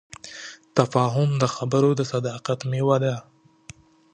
تفاهم د خبرو د صداقت میوه ده.